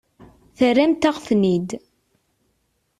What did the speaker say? Terramt-aɣ-ten-id.